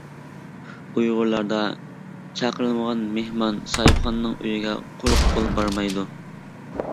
ئۇيغۇرلاردا چاقىرىلغان مېھمان ساھىبخانىنىڭ ئۆيىگە قۇرۇق قول بارمايدۇ.